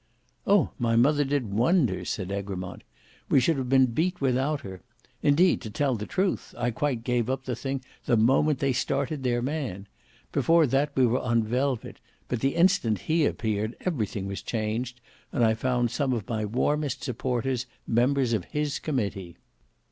"Oh! my mother did wonders," said Egremont: "we should have been beat without her. Indeed, to tell the truth, I quite gave up the thing the moment they started their man. Before that we were on velvet; but the instant he appeared everything was changed, and I found some of my warmest supporters, members of his committee."